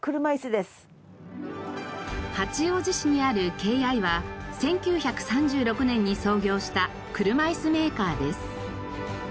八王子市にあるケイアイは１９３６年に創業した車いすメーカーです。